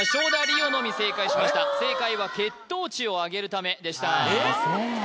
おのみ正解しました正解は血糖値を上げるためでした血糖値を上げる？